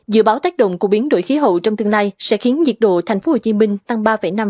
dự báo tác động của biến đổi khí hậu trong tương lai sẽ khiến nhiệt độ tp hcm tăng ba năm